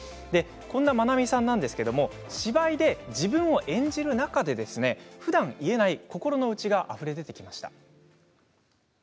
こんな、まなみさんですが芝居で自分を演じる中でふだん言えない心の内があふれ出てきました。